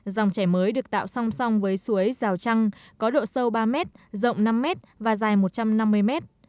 dòng chảy mới được tạo song song với suối rào trăng có độ sâu ba mét rộng năm mét và dài một trăm năm mươi mét